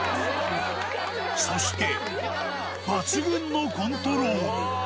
そして、抜群のコントロール。